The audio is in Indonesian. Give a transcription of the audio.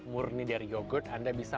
murni dari yogurt anda bisa